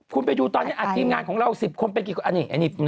คุณไปดูตอนนี้ปราตรีนงานของเรา๑๐คนเสียงหลายคน